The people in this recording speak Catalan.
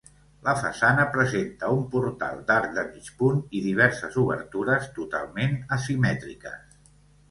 La façana presenta un portal d'arc de mig punt i diverses obertures totalment asimètriques.